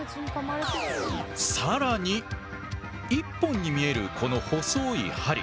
更に１本に見えるこの細い針。